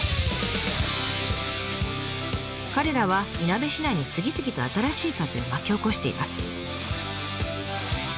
彼らはいなべ市内に次々と新しい風を巻き起こしています。